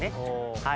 はい。